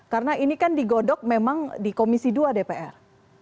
karena ini kan digodok memang di komisi dua dpr